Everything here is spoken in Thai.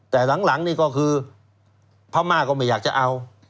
แต่หลังนี่ก็คือพม่าก็ไม่อยากจะเอา